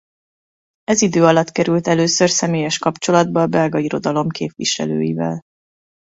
Ez idő alatt került először személyes kapcsolatba a belga irodalom képviselőivel.